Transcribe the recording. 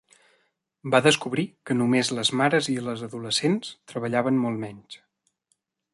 Va descobrir que només les mares i les adolescents treballaven molt menys.